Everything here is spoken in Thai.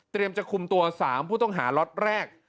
เตรียมจะคุมตัว๓ผู้ต้องหาร็อตแรก